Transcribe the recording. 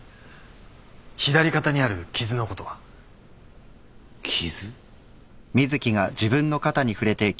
左肩にある傷のことは？傷？